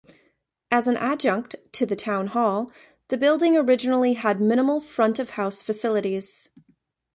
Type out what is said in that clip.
As an adjunct to the town hall, the building originally had minimal front-of-house facilities.